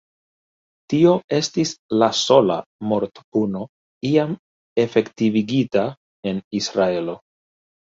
Tio estis la sola mortpuno iam efektivigita en Israelo.